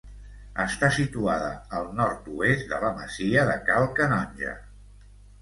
Està situada al nord-oest de la masia de Cal Canonge.